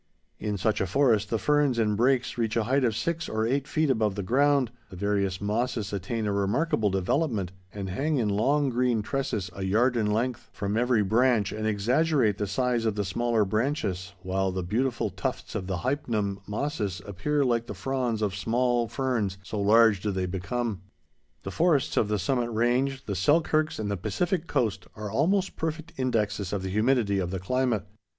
In such a forest, the ferns and brakes reach a height of six or eight feet above the ground, the various mosses attain a remarkable development, and hang in long, green tresses, a yard in length, from every branch, and exaggerate the size of the smaller branches, while the beautiful tufts of the Hypnum mosses appear like the fronds of small ferns, so large do they become. The forests of the Summit Range, the Selkirks, and the Pacific Coast are almost perfect indexes of the humidity of the climate.